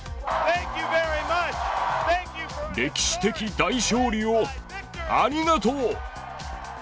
歴史的大勝利をありがとう。